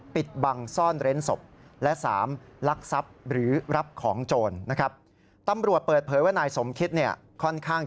ปิดบังซ่อนเร้นศพและสามลักทรัพย์หรือรับของโจรนะครับ